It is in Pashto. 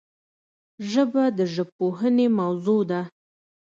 ژبه د ژبپوهنې موضوع ده